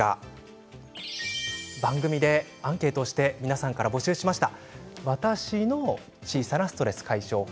番組でアンケートをして皆さんから募集しました。